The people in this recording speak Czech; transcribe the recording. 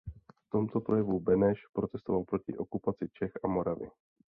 V tomto projevu Beneš protestoval proti okupaci Čech a Moravy.